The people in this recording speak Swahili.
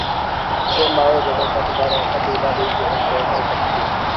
Kwa ngombe wote walio katika hatari zaidi idadi ya vifo inaweza kufika